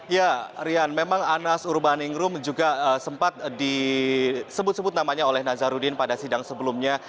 ya rian memang anas urbaningrum juga sempat disebut sebut namanya oleh nazarudin pada sidang sebelumnya